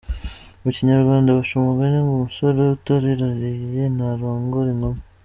Mu kinayrwanda baca umugani ngo umusore utiraririye ntarongora inkumi.